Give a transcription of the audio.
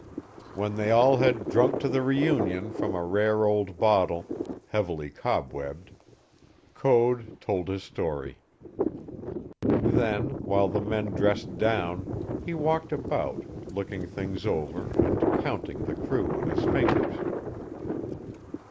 When they all had drunk to the reunion from a rare old bottle, heavily cobwebbed, Code told his story. Then, while the men dressed down, he walked about, looking things over and counting the crew on his fingers.